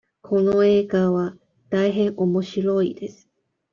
この映画は大変おもしろいです。